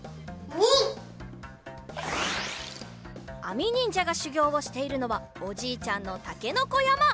あみにんじゃがしゅぎょうをしているのはおじいちゃんのたけのこやま。